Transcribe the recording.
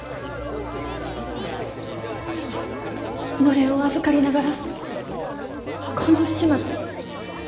のれんを預かりながらこの不始末。